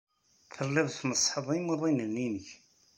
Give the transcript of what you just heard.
Telliḍ tneṣṣḥeḍ imuḍinen-nnek.